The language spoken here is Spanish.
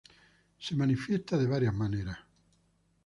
Se manifiesta de varias maneras.